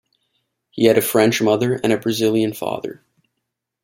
He had a French mother and a Brazilian father.